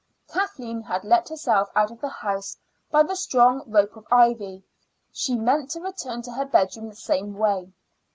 Kathleen had let herself out of the house by the strong rope of ivy; she meant to return to her bedroom the same way.